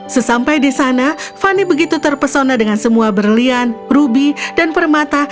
sesampai di sana fanny begitu terpesona dengan semua berlian rubi dan permata